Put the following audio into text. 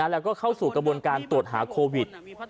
แล้วก็เข้าสู่กระบวนการตรวจหาโควิด